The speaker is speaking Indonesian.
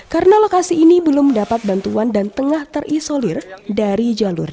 karena lokasi ini belum dapat bantuan dan tengah terinspirasi